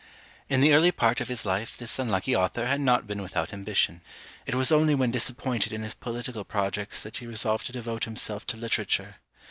In the early part of his life this unlucky author had not been without ambition; it was only when disappointed in his political projects that he resolved to devote himself to literature.